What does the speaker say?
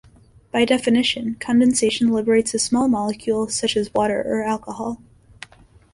By definition, condensation liberates a small molecule, such as water or alcohol.